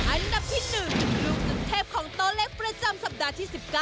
อันดับที่๑ลูกสุดเทพของโตเล็กประจำสัปดาห์ที่๑๙